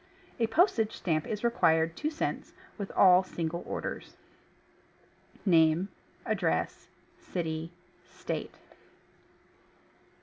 A postage stamp is required (2 cents) with all single orders. Name Address. City State